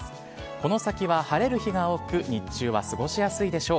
この先は晴れる日が多く、日中は過ごしやすいでしょう。